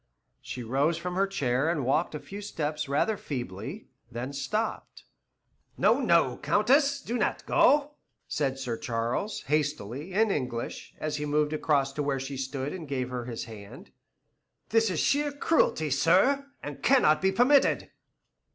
She rose from her chair and walked a few steps rather feebly, then stopped. "No, no, Countess, do not go," said Sir Charles, hastily, in English, as he moved across to where she stood and gave her his hand. "This is sheer cruelty, sir, and cannot be permitted."